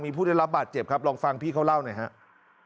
มีผู้ได้รับบาดเจ็บครับลองฟังพี่เขาเล่าหน่อยครับ